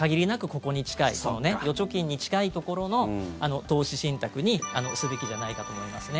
ここに近い預貯金に近いところの投資信託にすべきじゃないかと思いますね。